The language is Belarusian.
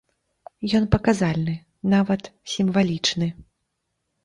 Ён паказальны, нават сімвалічны.